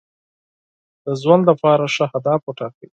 د ژوند لپاره ښه اهداف وټاکئ.